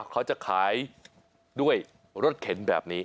เขาจะขายด้วยรถเข็นแบบนี้